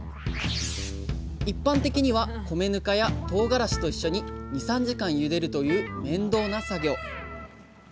一般的には米ぬかやとうがらしと一緒に２３時間ゆでるという面倒な作業。